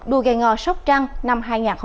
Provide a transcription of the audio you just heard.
đua gai ngò sóc trăng năm hai nghìn hai mươi bốn